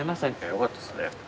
よかったです